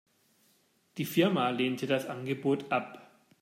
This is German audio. Die Firma lehnte das Angebot ab.